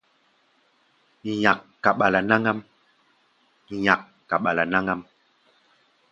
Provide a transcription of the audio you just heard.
Nyak kaɓala náŋ-ám.